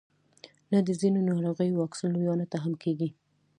نه د ځینو ناروغیو واکسین لویانو ته هم کیږي